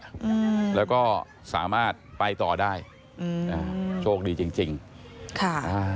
อืมแล้วก็สามารถไปต่อได้อืมอ่าโชคดีจริงจริงค่ะอ่า